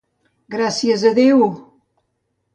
Gràcies a Déu!